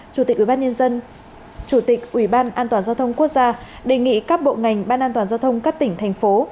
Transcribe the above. chủ tịch ubnd chủ tịch ubnd giao thông quốc gia đề nghị các bộ ngành ban an toàn giao thông các tỉnh thành phố